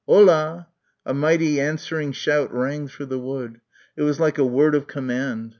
"Ho lah!" A mighty answering shout rang through the wood. It was like a word of command.